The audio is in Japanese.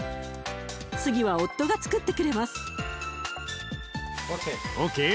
次は夫がつくってくれます！ＯＫ。